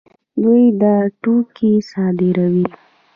دوی دا توکي صادروي.